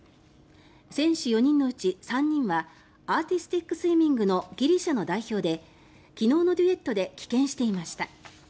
選手４人のうち３人はアーティスティックスイミングのギリシャの代表で昨日のデュエットで棄権していました。